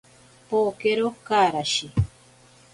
Pokero karashi.